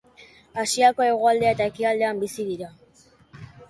Asiako hegoalde eta ekialdean bizi dira.